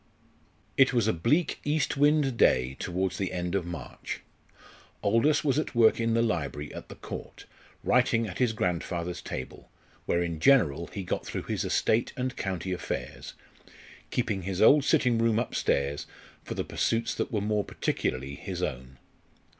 It was a bleak east wind day towards the end of March. Aldous was at work in the library at the Court, writing at his grandfather's table, where in general he got through his estate and county affairs, keeping his old sitting room upstairs for the pursuits that were more particularly his own.